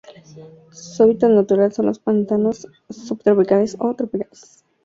Su hábitat natural son los pantanos subtropicales o tropicales.